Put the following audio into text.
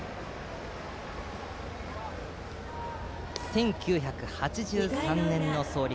１９８３年の創立。